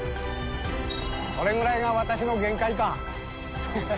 これぐらいが私の限界か。